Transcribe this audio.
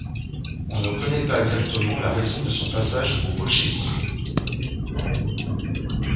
On ne connait pas exactement la raison de son passage au bolchevisme.